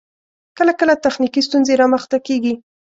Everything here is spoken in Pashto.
کله کله تخنیکی ستونزې رامخته کیږی